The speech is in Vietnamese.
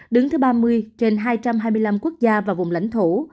đứng thứ ba mươi trên hai trăm hai mươi năm quốc gia và vùng lãnh thổ